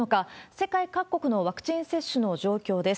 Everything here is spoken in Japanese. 世界各国のワクチン接種の状況です。